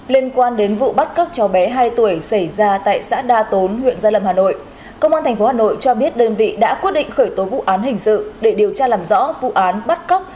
liên quan đến vụ bắt cóc cháu bé hai tuổi xảy ra tại xã đa tốn huyện gia lâm hà nội công an tp hà nội cho biết đơn vị đã quyết định khởi tố vụ án hình sự để điều tra làm rõ vụ án bắt cóc